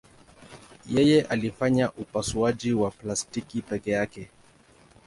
Yeye alifanya upasuaji wa plastiki peke yake.